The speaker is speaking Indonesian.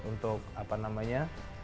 untuk apa namanya